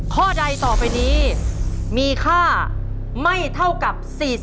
ข้อใดต่อไปนี้มีค่าไม่เท่ากับ๔๐